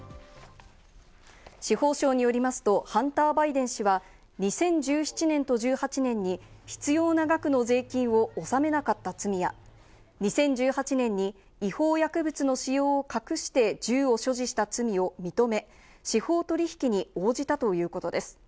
司法省によりますと、ハンター・バイデン氏は２０１７年と１８年に必要な額の税金を納めなかった罪や、２０１８年に違法薬物の使用を隠して銃を所持した罪を認め、司法取引に応じたということです。